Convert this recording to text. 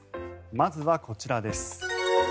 まずはこちらです。